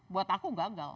buat aku gagal